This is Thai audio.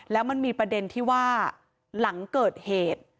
แล้วมันมีประเด็นที่ว่าหลังเกิดเหตุ